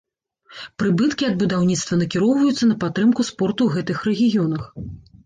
Прыбыткі ад будаўніцтва накіроўваюцца на падтрымку спорту ў гэтых рэгіёнах.